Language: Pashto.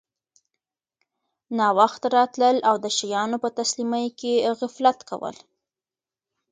ناوخته راتلل او د شیانو په تسلیمۍ کي غفلت کول